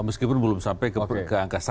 meskipun belum sampai ke angka satu